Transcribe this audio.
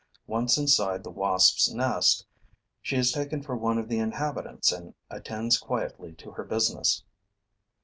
Once inside the wasps' nest, she is taken for one of the inhabitants and attends quietly to her business.